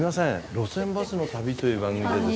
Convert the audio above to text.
『路線バスの旅』という番組でですね